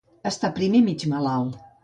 Està prim i mig malalt.